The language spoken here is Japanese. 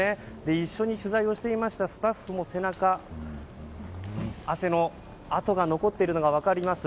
一緒に取材をしていたスタッフも背中に汗の跡が残っているのが分かります。